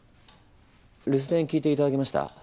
留守電聞いていただけました？